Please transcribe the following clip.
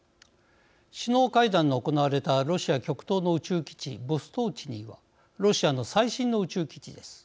首脳会談の行われたロシア極東の宇宙基地ボストーチヌイはロシアの最新の宇宙基地です。